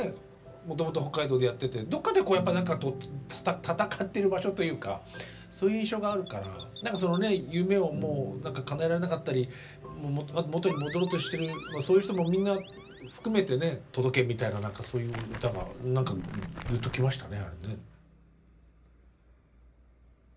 もともと北海道でやっててどっかでこうやっぱり戦ってる場所というかそういう印象があるから何かそのね夢をかなえられなかったり元に戻ろうとしてるそういう人もみんな含めてね届けみたいなそういう歌が何かぐっと来ましたね。